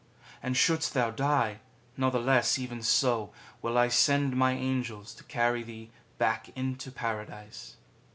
And shouldst thou die, natheless even so will I send my Angels to carry thee back into Paradise."